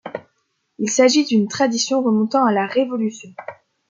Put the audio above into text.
Il s'agit d'une tradition remontant à la Révolution.